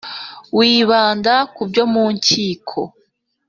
wibanda ku byo mu nkiko